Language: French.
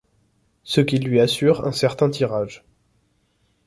Ce qui lui assure un certain tirage.